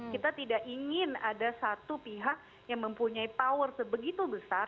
kita tidak ingin ada satu pihak yang mempunyai power sebegitu besar